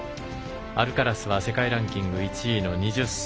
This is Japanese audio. アルカラスは世界ランキング１位の２０歳。